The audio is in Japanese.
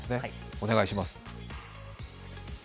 お願いします。